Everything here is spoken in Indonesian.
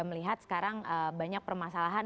melihat sekarang banyak permasalahan